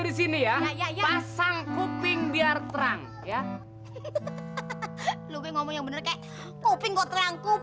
bentar lagi bu